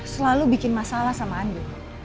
selalu bikin masalah sama andi